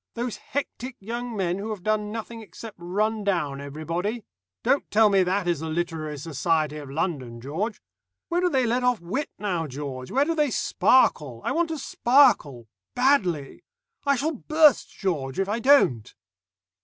Those hectic young men who have done nothing except run down everybody! Don't tell me that is the literary society of London, George. Where do they let off wit now, George? Where do they sparkle? I want to sparkle. Badly. I shall burst, George, if I don't."